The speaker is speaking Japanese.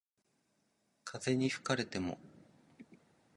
風に吹かれても